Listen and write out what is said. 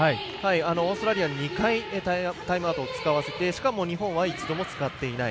オーストラリアに２回タイムアウトを使わせて、しかも日本は一度も使っていない。